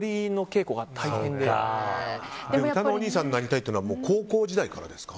うたのおにいさんになりたいというのはもう高校時代からですか？